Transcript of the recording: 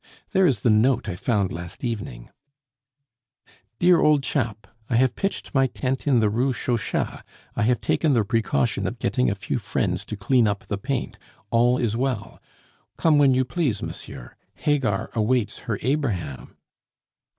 There is the note I found last evening: "'DEAR OLD CHAP, I have pitched my tent in the Rue Chauchat. I have taken the precaution of getting a few friends to clean up the paint. All is well. Come when you please, monsieur; Hagar awaits her Abraham.